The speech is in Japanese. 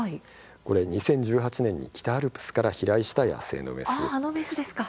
これは、２０１８年に北アルプスから飛来した野生の雌なんです。